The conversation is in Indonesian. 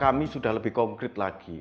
kami sudah lebih konkret lagi